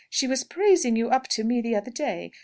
She was praising you up to me the other day.